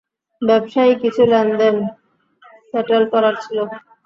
ব্যবসায়ীক কিছু লেনদেন স্যাটেল করার ছিল।